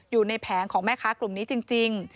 แผงของแม่ค้ากลุ่มนี้จริง